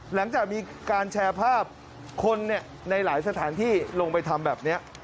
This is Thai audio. หลังจากมีการแชร์ภาพคนในหลายสถานที่ลงไปทำแบบนี้